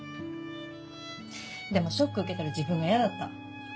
でもショック受けてる自分が嫌だった。